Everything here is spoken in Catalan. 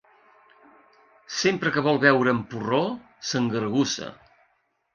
Sempre que vol beure amb porró, s'engargussa.